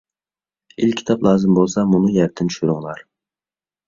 ئېلكىتاب لازىم بولسا مۇنۇ يەردىن چۈشۈرۈڭلار.